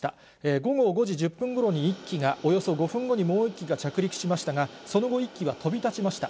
午後５時１０分ごろに１機が、およそ５分後にもう１機が着陸しましたが、その後、１機は飛び立ちました。